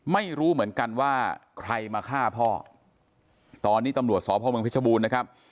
ไม่รู้เหมือนกันว่าใครมาฆ่าพ่อตอนนี้ตำรวจสพเมืองพิชบูรณ์นะครับ